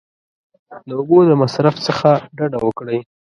د اوبو د مصرف څخه ډډه وکړئ !